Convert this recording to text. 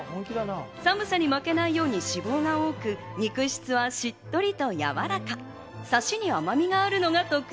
寒さに負けないように脂肪が多く、肉質はしっとりとやわらか。